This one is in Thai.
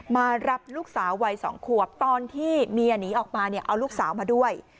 มารับลูกสาววัย๒ขวบตอนที่เมียหนีออกมาเนี่ยเอาลูกสาวมาด้วย